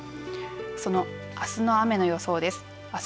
そのあすの雨の予想です。